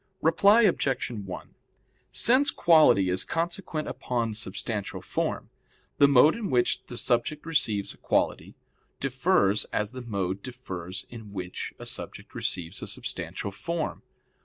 Reply Obj. 1: Since quality is consequent upon substantial form, the mode in which the subject receives a quality differs as the mode differs in which a subject receives a substantial form.